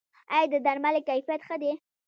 آیا د درملو کیفیت ښه دی؟